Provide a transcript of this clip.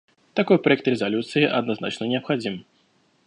Такой проект резолюции однозначно необходим.